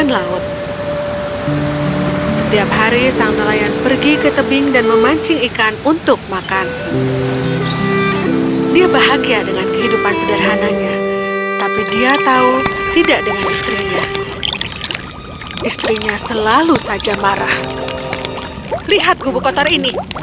lihat gubu kotor ini